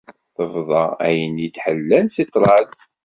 Tebḍa ayen i d-ḥellan si ṭṭrad.